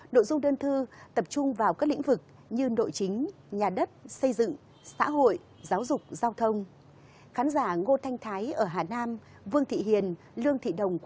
đội dung đơn thư tập trung vào các lĩnh vực như nội chính nhà đất xây dựng xã hội giáo dục giao thông